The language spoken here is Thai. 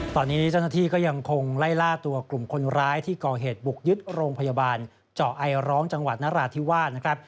ตอนนี้เจ้าหน้าที่ก็ยังคงไล่ล่าตัวกลุ่มคนร้ายที่ก่อเหตุบุกยึดโรงพยาบาลเจาะไอร้องจังหวัดนราธิวาสนะครับ